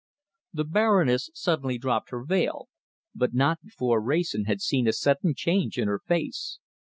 The Baroness suddenly dropped her veil, but not before Wrayson had seen a sudden change in her face.